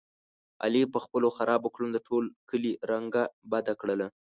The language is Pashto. علي په خپلو خرابو کړنو د ټول کلي رنګه بده کړله.